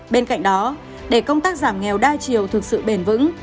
bên cạnh đó để công tác giảm nghèo đa chiều thực sự bền vững